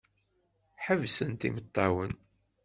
Ḥebsent imeṭṭawen.